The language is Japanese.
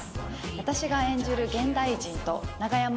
私が演じる現代人と永山瑛太さん